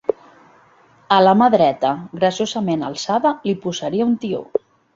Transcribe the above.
...a la mà dreta, graciosament alçada, li posaria un tió